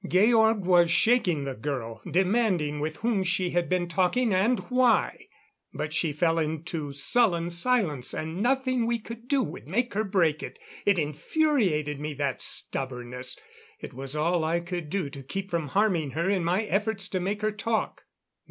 Georg was shaking the girl, demanding with whom she had been talking and why. But she fell into sullen silence, and nothing we could do would make her break it. It infuriated me, that stubbornness; it was all I could do to keep from harming her in my efforts to make her talk.